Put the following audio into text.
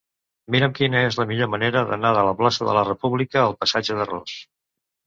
Mira'm quina és la millor manera d'anar de la plaça de la República al passatge de Ros.